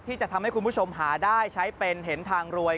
ที่จะทำให้คุณผู้ชมหาได้ใช้เป็นเห็นทางรวย